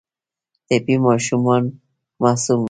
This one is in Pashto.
ټپي ماشومان معصوم وي.